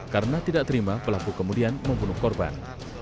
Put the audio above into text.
karena tidak terima pelaku kemudian membunuh korban